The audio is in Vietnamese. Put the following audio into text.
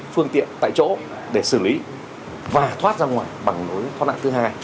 phương tiện tại chỗ để xử lý và thoát ra ngoài bằng nối thoát lại thứ hai